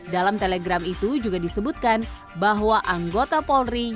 dalam telegram itu juga disebutkan bahwa anggota polri